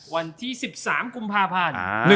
วันที่๑๓กุมภาพันธ์